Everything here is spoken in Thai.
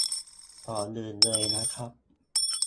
ก่อนอื่นเลยนะครับ